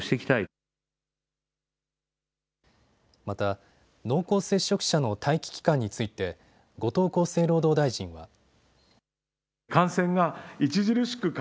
また、濃厚接触者の待機期間について後藤厚生労働大臣は。